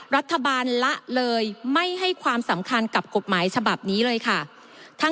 ละเลยไม่ให้ความสำคัญกับกฎหมายฉบับนี้เลยค่ะ